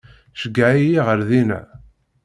Ceyyeɛ-iyi ar dina.